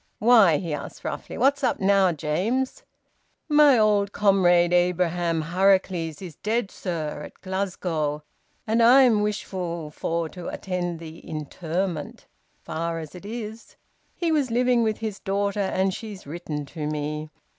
"Why?" he asked roughly. "What's up now, James?" "My old comrade Abraham Harracles is dead, sir, at Glasgow, and I'm wishful for to attend the interment, far as it is. He was living with his daughter, and she's written to me.